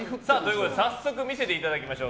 早速、見せていただきましょう。